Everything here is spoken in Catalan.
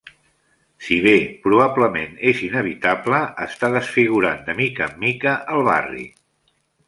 Si bé probablement és inevitable, està desfigurant de mica en mica el barri.